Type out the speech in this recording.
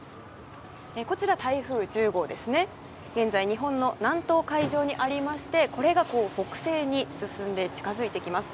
台風１０号は現在、日本の南東海上にありましてこれが北西に進んで近づいてきます。